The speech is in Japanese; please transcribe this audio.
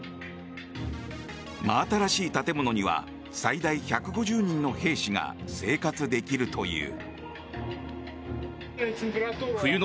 真新しい建物には最大１５０人の兵士が生活できるという。